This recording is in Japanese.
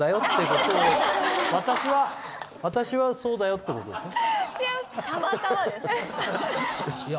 私はそうだよっていうことですよね。